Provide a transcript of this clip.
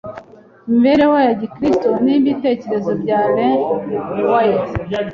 ’imibereho ya Gikristo n’ibitekerezo bya Ellen White.